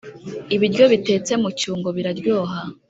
ibiryo bitetse mu cyungo biraryoha